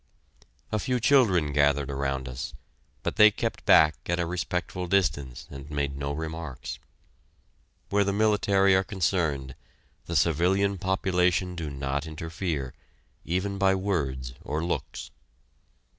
A few children gathered around us, but they kept back at a respectful distance and made no remarks. Where the military are concerned, the civilian population do not interfere, even by words or looks.